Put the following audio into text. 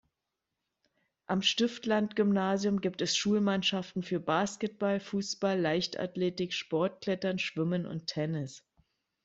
Am Stiftland-Gymnasium gibt es Schulmannschaften für Basketball, Fußball, Leichtathletik, Sportklettern, Schwimmen und Tennis.